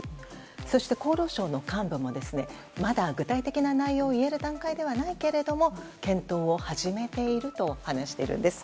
そして厚労省の幹部もまだ具体的な内容をいえる段階ではないけれども検討を始めていると話しているんです。